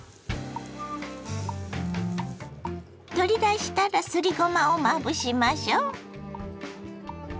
取り出したらすりごまをまぶしましょ。